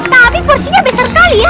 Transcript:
tapi porsinya besar sekali ya